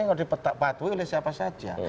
yang harus dipatuhi oleh siapa saja